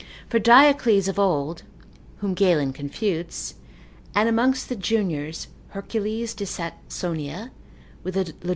For Diocles of old, (whom Galen confutes,) and amongst the juniors, Hercules de Saxonia, with Lod.